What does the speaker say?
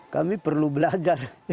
kami perlu belajar